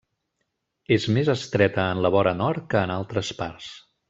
És més estreta en la vora nord que en altres parts.